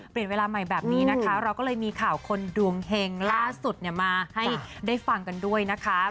เปลี่ยนเวลาใหม่แบบนี้นะคะเราก็เลยมีข่าวคนดวงเฮงล่าสุดมาให้ได้ฟังกันด้วยนะคะ